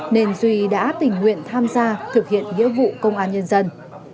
nên duy đã tình nguyện tham gia thực hiện nghĩa vụ công an nhân dân